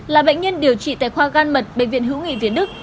là bệnh nhân điều trị tại khoa gan mật bệnh viện hữu nghị việt đức